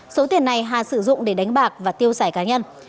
số tiền này hà sử dụng để đánh bạc và tiêu sải cá nhân